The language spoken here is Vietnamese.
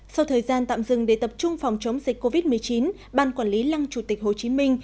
sau thời gian tạm dừng để tập trung phòng chống dịch covid một mươi chín ban quản lý lăng chủ tịch hồ chí minh